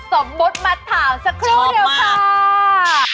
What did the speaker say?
สมมุติมาถามสักครู่เดียวค่ะ